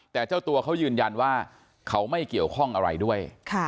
แต่เจ้าตัวเขายืนยันว่าเขาไม่เกี่ยวข้องอะไรด้วย